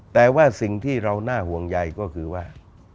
แต่ว่าสิ่งที่เราน่าห่วงใยก็คือว่า